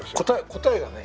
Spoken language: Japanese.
答えがね。